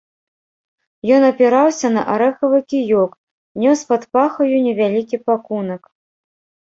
Ён апіраўся на арэхавы кіёк, нёс пад пахаю невялікі пакунак.